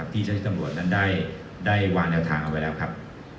เจ้าที่ตำรวจนั้นได้วางแนวทางเอาไว้แล้วครับ